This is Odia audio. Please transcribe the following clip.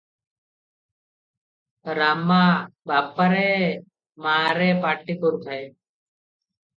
ରାମା 'ବାପରେ ମାରେ' ପାଟି କରୁଥାଏ ।